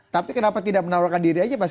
tapi kenapa tidak menawarkan diri saja pak